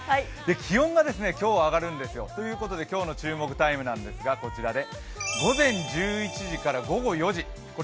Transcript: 気温が今日は上がるんですよ。ということで、今日の注目タイムは午前１１時から午後４時。